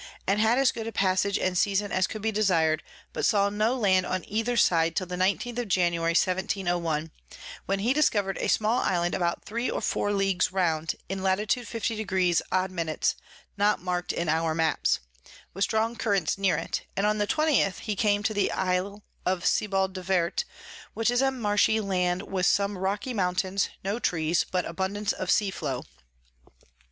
and had as good a Passage and Season as could be desir'd, but saw no Land on either side till the 19_th_ of January 1701. when he discover'd a small Island about 3 or 4 Ls. round, in Lat. 52. odd min. not mark'd in our Maps, with strong Currents near it; and on the 20_th_ he came to the Isle of Sebald de Wert, which is a marshy Land with some rocky Mountains, no Trees, but abundance of Sea Flow.